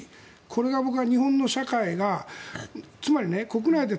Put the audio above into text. これが僕は日本の社会がつまり国内で